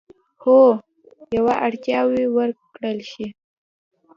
هر یوه اړتیاوو ورکړل شي.